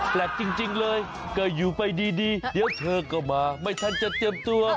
แปลกจริงเลยก็อยู่ไปดีเดี๋ยวเธอก็มาไม่ทันจะเตรียมตัว